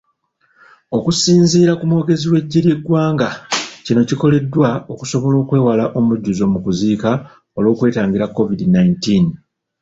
Okusinziira ku mwogezi w'eggye ly'eggwanga, kino kikoleddwa okusobola okwewala omujjuzo mu kuziika olw'okwetangira COVID nineteen.